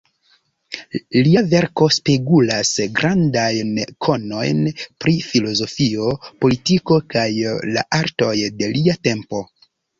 Lia verko spegulas grandajn konojn pri filozofio, politiko kaj la artoj de lia tempo.